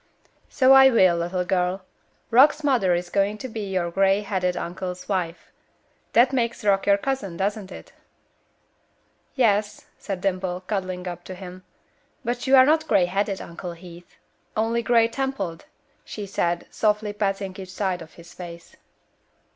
"So I will, little girl. Rock's mother is going to be your grey headed uncle's wife. That makes Rock your cousin, doesn't it?" "Yes," said Dimple, cuddling up to him, "but you are not grey headed, Uncle Heath, only grey templed," she said, softly patting each side of his face.